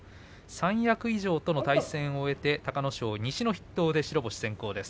三役以上との対戦を終えて隆の勝、西の筆頭で白星先行です。